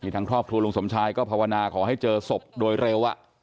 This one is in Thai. ทางครอบครัวลุงสมชายก็ภาวนาขอให้เจอศพโดยเร็ว